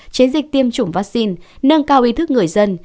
chiến dịch tiêm chủng vaccine nâng cao ý thức người dân